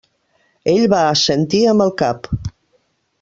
Ell va assentir amb el cap.